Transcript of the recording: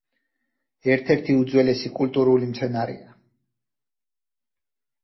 ერთ-ერთი უძველესი კულტურული მცენარეა.